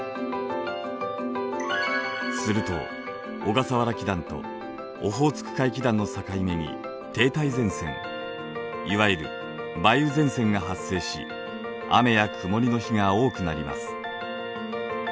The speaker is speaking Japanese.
すると小笠原気団とオホーツク海気団の境目に停滞前線いわゆる梅雨前線が発生し雨や曇りの日が多くなります。